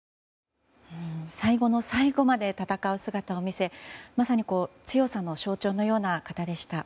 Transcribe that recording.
最後の最後まで戦う姿を見せまさに強さの象徴のような方でした。